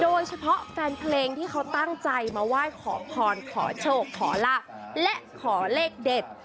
โดยเฉพาะแฟนเพลงที่เขาตั้งใจมาไหว้ขอพรขอโชคขอลาบและขอเลขเด็ด